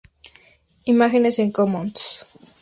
Imágenes en Commons